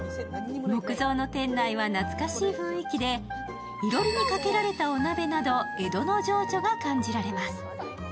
木造の店内は懐かしい雰囲気で、いろりにかけられたお鍋など、江戸の情緒が感じられます。